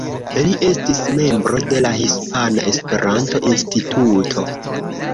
Li estis membro de la Hispana Esperanto-Instituto.